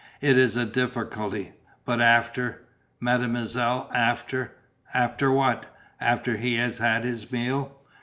It is a difficulty, but after ? Mademoiselle after?" "After what?" "After he has had his meal?"